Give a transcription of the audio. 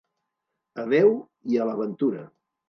A Déu i a la ventura.